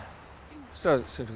そしたらセリフ。